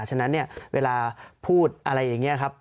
ฉะนั้นเนี่ยเวลาพูดอะไรอย่างนี้ครับ